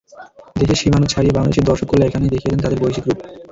দেশের সীমানা ছাড়িয়ে বাংলাদেশের দর্শককুল এখানেই দেখিয়ে দেন তাঁদের বৈশ্বিক রূপ।